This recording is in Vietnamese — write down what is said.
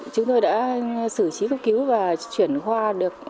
chúng tôi đã xử trí cấp cứu và chuyển hoa được